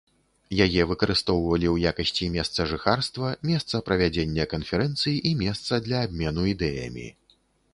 Яе выкарыстоўвалі ў якасці месца жыхарства, месца правядзення канферэнцый і месца для абмену ідэямі.